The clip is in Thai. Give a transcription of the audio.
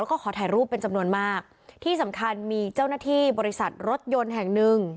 แล้วก็ขอถ่ายรูปเป็นจำนวนมากที่สำคัญมีเจ้าหน้าที่บริษัทรถยนต์แห่งหนึ่ง